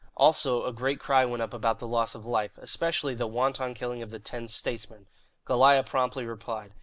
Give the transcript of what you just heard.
Also, a great cry went up about the loss of life, especially the wanton killing of the ten "statesmen." Goliah promptly replied.